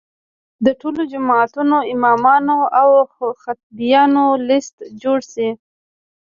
د ټولو جوماتونو امامانو او خطیبانو لست جوړ شي.